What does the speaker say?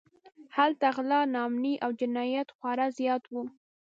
هلته غلا، ناامنۍ او جنایت خورا زیات و.